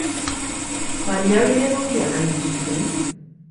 Baliabide egokiak al dituzte?